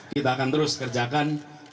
kita akan terus berkerjasama